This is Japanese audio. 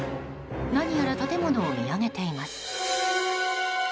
何やら建物を見上げています。